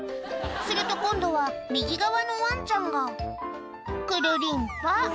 すると今度は右側のワンちゃんがくるりんぱ！